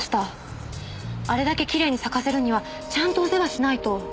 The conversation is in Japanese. あれだけきれいに咲かせるにはちゃんとお世話しないと。